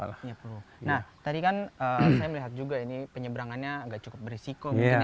nah tadi kan saya melihat juga ini penyeberangannya agak cukup berisiko gitu ya